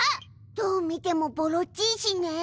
どう見てもボロっちいしね。